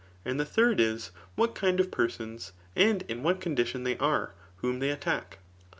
And the third is, ^at kind of persons, and in what condition they are [whom diey attack.